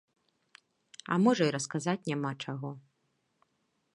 А можа і расказаць няма чаго.